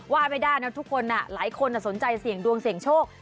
ว่าไม่ได้นะทุกคนหลายคนสนใจเสี่ยงดวงเสี่ยงโชค